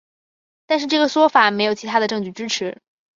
但这个说法没有其他的证据支持。